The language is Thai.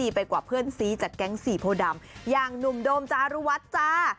ไปกว่าเพื่อนซีจากแก๊งสี่โพดำอย่างหนุ่มโดมจารุวัฒน์จ้า